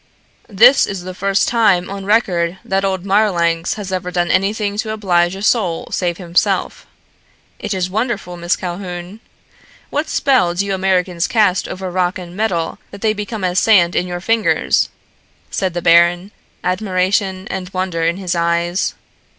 "This is the first time on record that old Marlanx has ever done anything to oblige a soul save himself. It is wonderful, Miss Calhoun. What spell do you Americans cast over rock and metal that they become as sand in your fingers?" said the baron, admiration and wonder in his eyes.